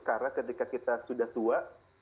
karena ketika kita sudah tua